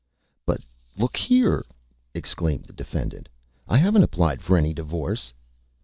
"But look here!" exclaimed the Defendant, "I haven't applied for any Divorce."